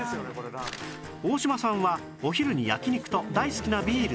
大島さんはお昼に焼肉と大好きなビール３杯